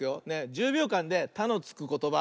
１０びょうかんで「た」のつくことばいくよ。